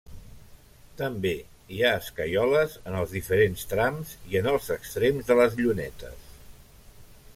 També hi ha escaioles en els diferents trams i en els extrems de les llunetes.